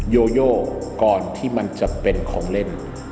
โยโยก่อนที่มันจะเป็นของเล่น